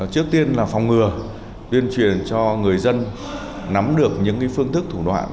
trước tiên là phòng ngừa tuyên truyền cho người dân nắm được những phương thức thủ đoạn